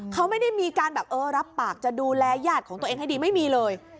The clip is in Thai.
เขาไม่ได้มีการแบบเออรับปากจะดูแลญาติของตัวเองให้ดีไม่มีเลย